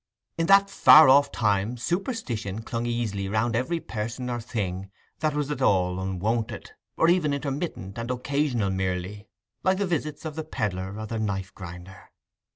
In that far off time superstition clung easily round every person or thing that was at all unwonted, or even intermittent and occasional merely, like the visits of the pedlar or the knife grinder.